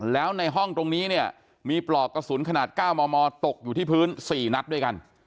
แล้วในห้องตรงนี้เนี่ยมีปลอกกระสุนขนาด๙มมตกอยู่ที่พื้น๔นัดด้วยกัน